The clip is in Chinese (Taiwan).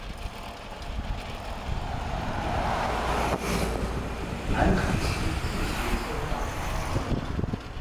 南崁溪自行車道